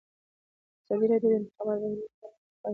ازادي راډیو د د انتخاباتو بهیر لپاره عامه پوهاوي لوړ کړی.